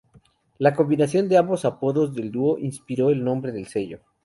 La combinación de ambos apodos del dúo inspiró el nombre del sello.